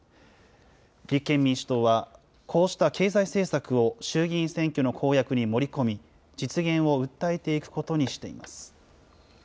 立憲民主党は、こうした経済政策を衆議院選挙の公約に盛り込み、実現を訴えていくことにしています。